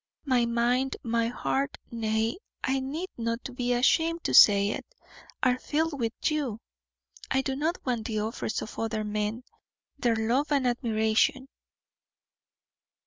My mind, my heart nay, I need not be ashamed to say it are filled with you. I do not want the offers of other men their love and admiration."